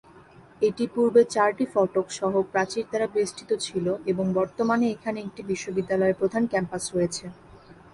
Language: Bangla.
এটি পূর্বে চারটি ফটক সহ প্রাচীর দ্বারা বেষ্টিত ছিল এবং বর্তমানে এখানে একটি বিশ্ববিদ্যালয়ের প্রধান ক্যাম্পাস রয়েছে।